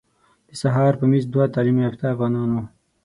د سهار په میز دوه تعلیم یافته افغانان وو.